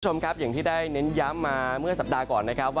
คุณผู้ชมครับอย่างที่ได้เน้นย้ำมาเมื่อสัปดาห์ก่อนนะครับว่า